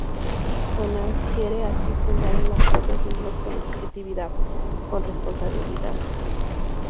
Jonas quiere así fundar en las cosas mismas, con objetividad, con responsabilidad.